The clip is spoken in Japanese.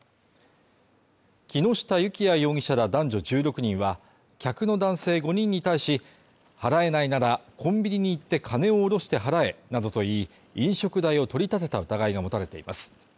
木下幸也容疑者ら男女１６人は、客の男性５人に対し、払えないなら、コンビニに行って金を下ろして払えなどと言い、飲食代を取り立てた疑いが持たれています。